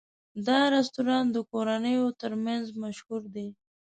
دا رستورانت د کورنیو تر منځ مشهور دی.